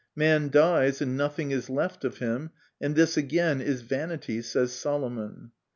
Man dies and nothing is left of him, and this again is vanity, says Solomon.